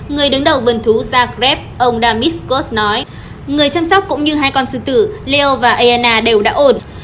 người đứng đầu vườn thú zagreb ông damis scott nói người chăm sóc cũng như hai con sư tử leo và ayana đều đã ổn